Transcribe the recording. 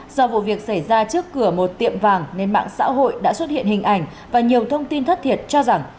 do vụ việc xảy ra trước cửa một tiệm vàng nên mạng xã hội đã xuất hiện hình ảnh và nhiều thông tin thất thiệt cho rằng